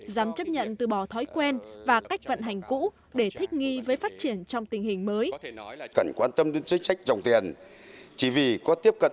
dám chấp nhận từ bỏ thói quen và cách vận hành cũ để thích nghi với phát triển trong tình hình mới